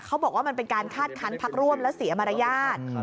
เขาบอกว่ามันเป็นการคาดคันพักร่วมและเสียมารยาท